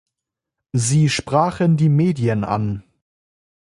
Sie sprachen die Medien an.